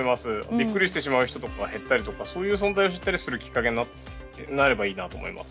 ビックリしてしまう人が減ったりそういう存在を知ったりするきっかけになればいいと思います。